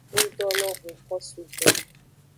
Ngdo lo huko sugbo.